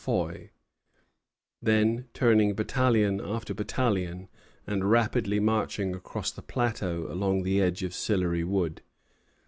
Foy, then turning, battalion after battalion, and rapidly marching across the plateau along the edge of Sillery Wood.